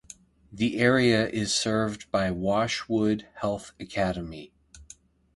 The area is served by Washwood Heath Academy.